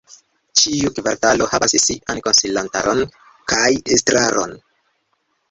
Ĉiu kvartalo havas sian konsilantaron kaj estraron.